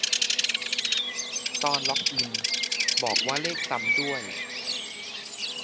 ตอนล็อกอิน บอกว่าเลขซ้ำด้วย